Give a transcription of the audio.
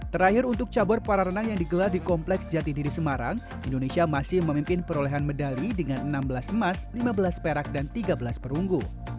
terakhir untuk cabar para renang yang digelar di kompleks jatidiri semarang indonesia masih memimpin perolehan medali dengan enam belas emas lima belas perak dan tiga belas perunggu